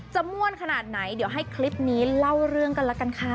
ม่วนขนาดไหนเดี๋ยวให้คลิปนี้เล่าเรื่องกันละกันค่ะ